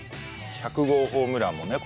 １００号ホームランもね